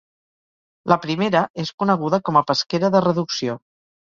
La primera és coneguda com a pesquera de reducció.